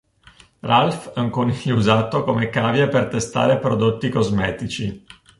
Ralph è un coniglio usato come cavia per testare prodotti cosmetici.